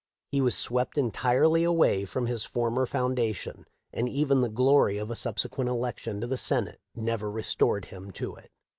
He was swept entirely away from his former foundation, and even the glory of a subse quent election to the Senate never restored him to it.